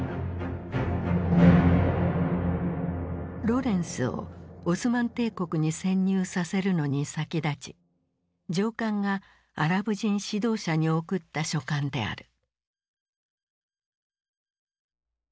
ロレンスをオスマン帝国に潜入させるのに先立ち上官がアラブ人指導者に送った書簡である。